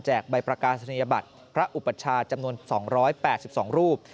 ใบประกาศนียบัตรพระอุปัชชาจำนวน๒๘๒รูป